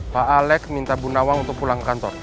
pak alex minta bu nawang untuk pulang kantor